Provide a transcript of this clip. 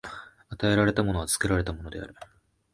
与えられたものは作られたものである。